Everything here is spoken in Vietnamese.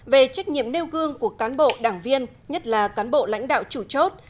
về trách nhiệm nêu gương của cán bộ đảng viên nhất là cán bộ lãnh đạo chủ chốt